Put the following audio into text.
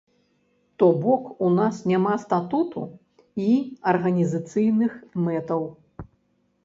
То бок у нас няма статуту і арганізацыйных мэтаў.